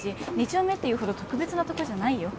丁目って言うほど特別なとこじゃないよ。